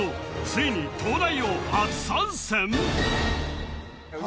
ついに「東大王」初参戦！？